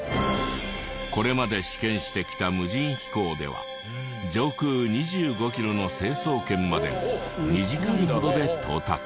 これまで試験してきた無人飛行では上空２５キロの成層圏まで２時間ほどで到達。